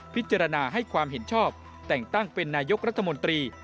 พิจารณาให้ความเห็นชอบแต่งตั้งเป็นนายกรัฐมนตรี